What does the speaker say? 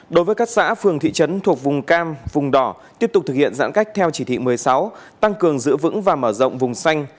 đối với các xã phường thị trấn thuộc vùng cam vùng đỏ tiếp tục thực hiện giãn cách theo chỉ thị một mươi sáu tăng cường giữ vững và mở rộng vùng xanh